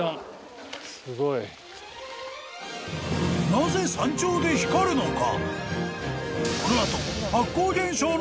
［なぜ山頂で光るのか？］